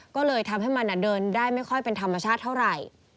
ก็เลยทำให้มันเดินได้ไม่ค่อยเป็นธรรมชาติเท่าไหร่